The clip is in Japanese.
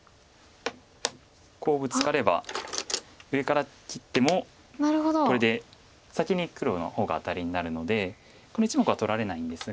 こうブツカれば上から切ってもこれで先に黒の方がアタリになるのでこの１目は取られないんですが。